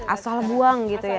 asal buang gitu ya